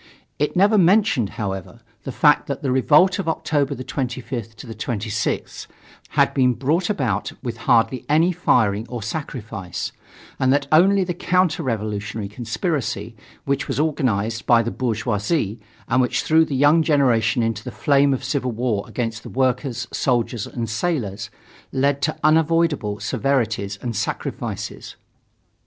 It never mentioned, however, the fact that the revolt of October 25th 26th had been brought about with hardly any firing or sacrifice, and that only the counter revolutionary conspiracy which was organized by the bourgeoisie and which threw the young generation into the flame of civil war against the workers, soldiers and sailors, led to unavoidable severities and sacrifices.